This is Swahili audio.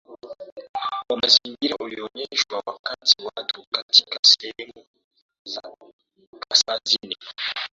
wa mazingira ulionyeshwa wakati watu katika sehemu za Kaskazini